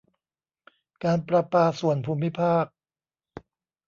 การประปาส่วนภูมิภาค